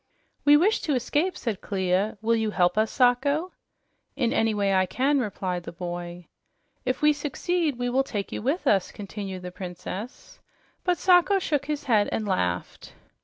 "We wish to escape," said Clia. "Will you help us, Sacho?" "In any way I can," replied the boy. "If we succeed, we will take you with us," continued the Princess. But Sacho shook his head and laughed.